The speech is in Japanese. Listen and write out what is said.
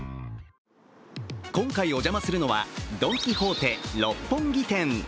今回お邪魔するのは、ドン・キホーテ六本木店。